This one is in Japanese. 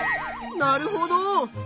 なるほど。